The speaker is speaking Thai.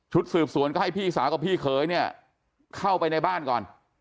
สืบสวนก็ให้พี่สาวกับพี่เขยเนี่ยเข้าไปในบ้านก่อน